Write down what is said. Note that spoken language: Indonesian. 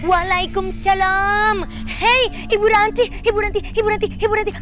waalaikumsalam hei ibu ranti ibu ranti ibu ranti ibu ranti